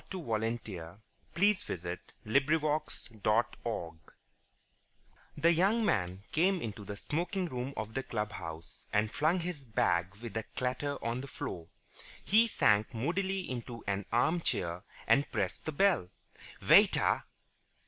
THE COMING OF GOWF 1 The Clicking of Cuthbert The young man came into the smoking room of the clubhouse, and flung his bag with a clatter on the floor. He sank moodily into an arm chair and pressed the bell. "Waiter!"